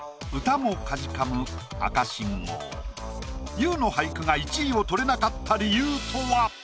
ＹＯＵの俳句が１位を取れなかった理由とは？